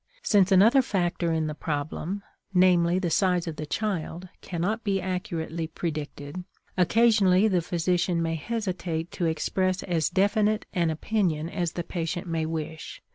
Since another factor in the problem, namely, the size of the child, cannot be accurately predicted, occasionally the physician may hesitate to express as definite an opinion as the patient may wish.